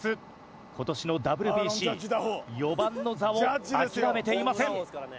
今年のＷＢＣ４番の座を諦めていません。